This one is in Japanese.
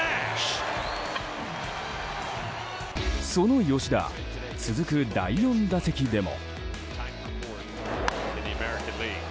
その吉田続く第４打席でも。